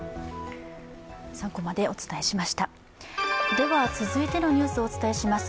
では、続いてのニュースをお伝えします。